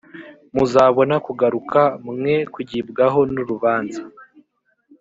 muzabona kugaruka mwe kugibwaho n urubanza